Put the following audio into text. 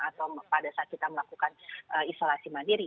atau pada saat kita melakukan isolasi mandiri